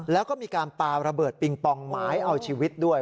แล้วก็มีการปาระเบิดปิงปองหมายเอาชีวิตด้วย